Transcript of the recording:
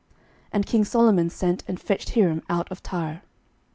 11:007:013 And king Solomon sent and fetched Hiram out of Tyre.